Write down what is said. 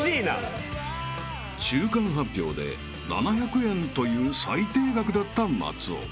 ［中間発表で７００円という最低額だった松尾］